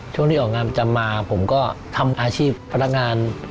ช่วงที่ออกงานประจำมาผมก็ทำอาชีพพนักงาน